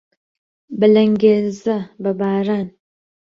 بە لەنگێزە، بە باران